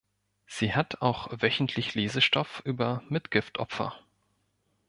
Sie hat auch wöchentlich Lesestoff über Mitgiftopfer.